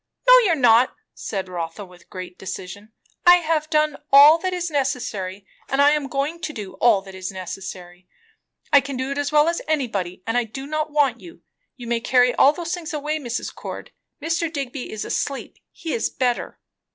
"No, you are not," said Rotha with great decision. "I have done all that is necessary, and I am going to do all that is necessary. I can do it as well as anybody; and I do not want you. You may carry all those things away, Mrs. Cord. Mr. Digby is asleep; he is better."